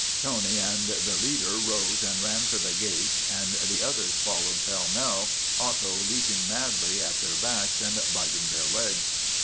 Tony and the leader rose and ran for the gate, and the others followed pell mell, Otto leaping madly on their backs and biting their legs.